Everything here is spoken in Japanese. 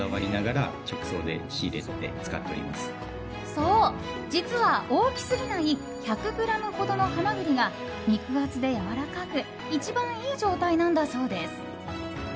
そう、実は大きすぎない１００ｇほどのハマグリが肉厚でやわらかく一番いい状態なんだそうです。